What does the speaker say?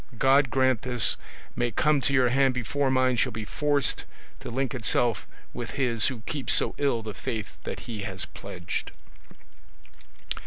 God grant this may come to your hand before mine shall be forced to link itself with his who keeps so ill the faith that he has pledged.